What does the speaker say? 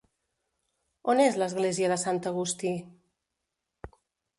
On és l'església de Sant Agustí?